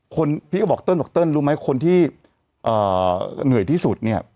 พี่ก็บอกเติ้ลบอกเติ้ลรู้ไหมคนที่เหนื่อยที่สุดเนี่ย